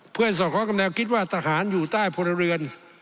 เพื่อให้สอดคล้องกับแนวคิดว่าทหารอยู่ใต้พลเรือน